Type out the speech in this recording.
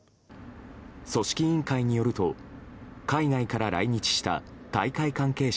組織委員会によると海外から来日した大会関係者